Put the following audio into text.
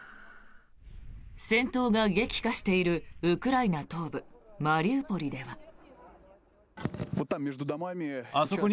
戦闘が激化しているウクライナ東部マリウポリでは。